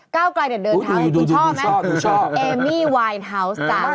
ก้าวไกลเดินท้าวนี้คุณชอบไหมครับแอมมี่วายน์ทาวน์ส์จ้ะดูชอบ